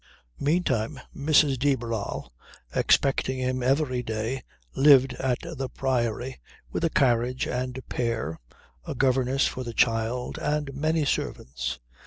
Meantime Mrs. de Barral, expecting him every day, lived at the Priory, with a carriage and pair, a governess for the child and many servants.